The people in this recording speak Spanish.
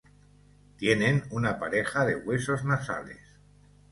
Tienen una pareja de huesos nasales.